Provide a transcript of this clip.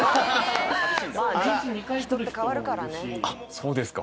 あっそうですか。